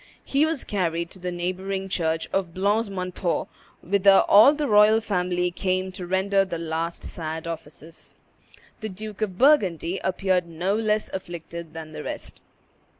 He was carried to the neighboring church of Blancs Manteaux, whither all the royal family came to render the last sad offices. The Duke of Burgundy appeared no less afflicted than the rest.